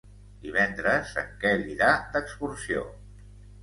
Divendres en Quel irà d'excursió.